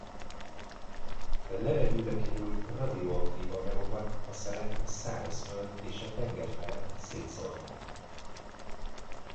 A levegőbe került radioaktív anyagokat a szelek a szárazföld és a tenger felett szétszórták.